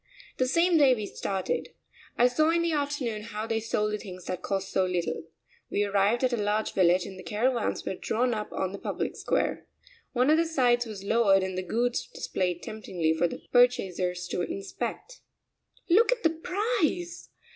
The same day we started. I saw in the afternoon how they sold the things that cost so little. We arrived at a large village and the caravans were drawn up on the public square. One of the sides was lowered and the goods displayed temptingly for the purchasers to inspect. "Look at the price!